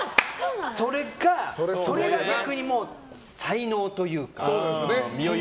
それが逆に才能というか。